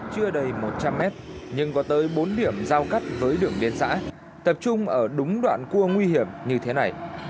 chưa đầy một trăm linh mét nhưng có tới bốn điểm giao cắt với đường biên xã tập trung ở đúng đoạn cua nguy hiểm như thế này